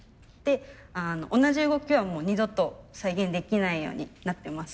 同じ動きはもう二度と再現できないようになってます。